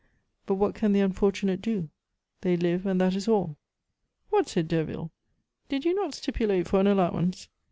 But what can the unfortunate do? They live, and that is all." "What!" said Derville. "Did you not stipulate for an allowance?"